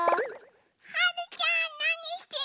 はるちゃんなにしてんの？